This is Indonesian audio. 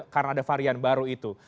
karena ada varian baru itu